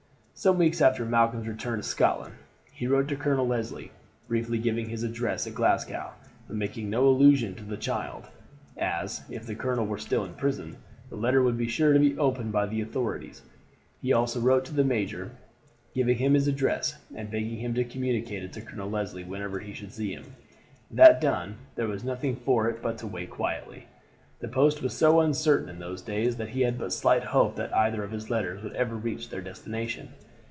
Some weeks after Malcolm's return to Scotland, he wrote to Colonel Leslie, briefly giving his address at Glasgow; but making no allusion to the child, as, if the colonel were still in prison, the letter would be sure to be opened by the authorities. He also wrote to the major, giving him his address, and begging him to communicate it to Colonel Leslie whenever he should see him; that done, there was nothing for it but to wait quietly. The post was so uncertain in those days that he had but slight hope that either of his letters would ever reach their destination.